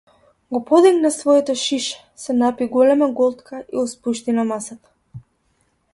Го подигна своето шише, се напи голема голтка и го спушти на масата.